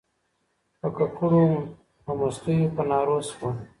په ککړو په مستیو په نارو سوه